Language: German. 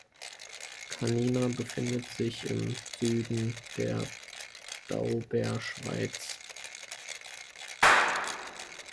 Kanina befindet sich im Süden der Daubaer Schweiz.